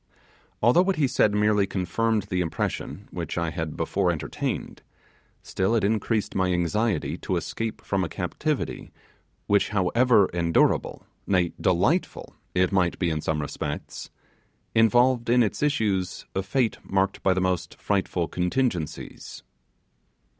Although what he said merely confirmed the impression which I had before entertained, still it increased my anxiety to escape from a captivity which, however endurable, nay, delightful it might be in some respects, involved in its issues a fate marked by the most frightful contingencies.